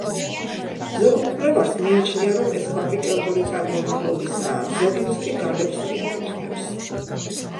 ზოგ მკვლევარს მიაჩნია, რომ ეს ქვაბი კელტური წარმომავლობისაა, ზოგიც კი გალებს მიაკუთვნებს.